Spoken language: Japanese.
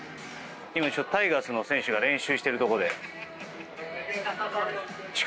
今、タイガースの選手が練習しているところです。